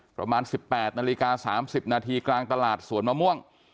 ประมาณ๑๘นาฬิกา๓๐นาทีกลางตลาดสวนมะม่วง